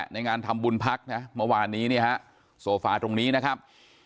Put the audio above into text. งานทำบุญพักนะเมื่อวานนี้เนี่ยฮะโซฟาตรงนี้นะครับ